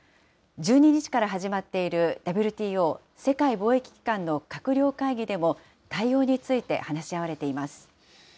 １２日から始まっているＷＴＯ・世界貿易機関の閣僚会議でも対応について話し合われています。